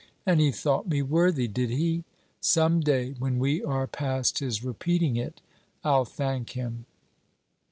And he thought me worthy, did he? Some day, when we are past his repeating it, I'll thank him.'